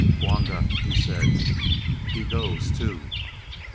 "Gwanga!" he said. "He goes, too!"